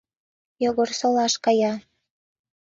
Йогорсолаш кая.